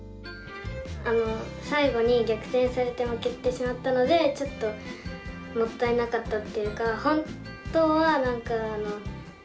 最後に逆転されて負けてしまったのでちょっともったいなかったっていうか。